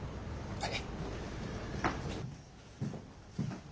はい。